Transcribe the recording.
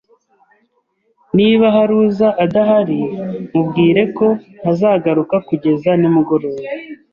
Niba hari uza adahari, mubwire ko ntazagaruka kugeza nimugoroba